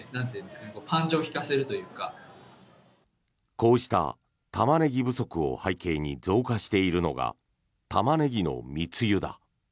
こうしたタマネギ不足を背景に増加しているのがタマネギの密輸だ。